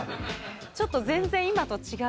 ちょっと全然、今と違う。